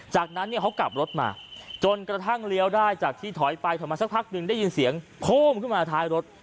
จากนั้นเนี่ยเขากลับรถมาจนกระทั่งเลี้ยวได้จากที่ถอยไปถอยมาสักพักหนึ่งได้ยินเสียงโคมขึ้นมาท้ายรถ